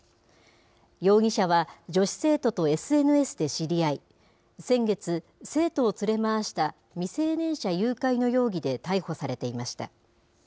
容疑者は、女子生徒とＳＮＳで知り合い、先月、生徒を連れ回した未成年者誘拐の容疑で逮捕されていました。